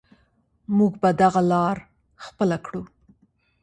موږ به دغه لاره خپله کړو.